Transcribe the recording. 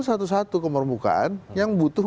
satu satu kemermukaan yang butuh